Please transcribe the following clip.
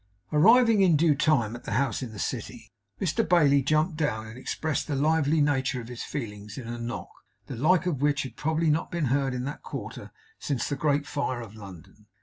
Arriving in due time at the house in the City, Mr Bailey jumped down, and expressed the lively nature of his feelings in a knock the like of which had probably not been heard in that quarter since the great fire of London.